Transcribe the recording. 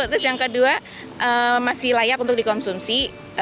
terus yang kedua masih layak untuk dikonsumsi